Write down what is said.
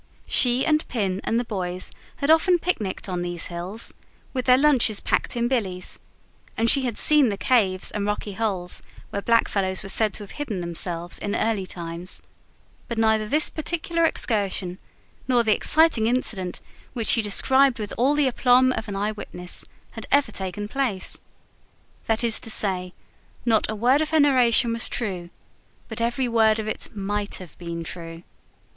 She and Pin and the boys had often picnicked on these hills, with their lunches packed in billies; and she had seen the caves and rocky holes where blackfellows were said to have hidden themselves in early times; but neither this particular excursion, nor the exciting incident which she described with all the aplomb of an eyewitness, had ever taken place. That is to say: not a word of her narration was true, but every word of it might have been true.